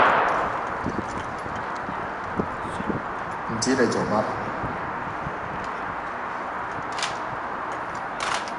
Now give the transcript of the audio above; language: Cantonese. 唔知你做乜